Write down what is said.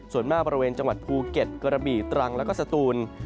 ส่วนมากบริเวณจังหวัดภูเก็ตกระบี่ตรังแล้วก็สตูน